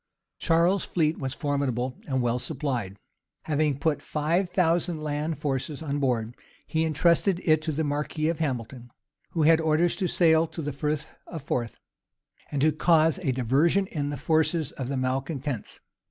Charles's fleet was formidable and well supplied. Having put five thousand land forces on board, he intrusted it to the marquis of Hamilton, who had orders to sail to the Frith of Forth, and to cause a diversion in the forces of the malecontents.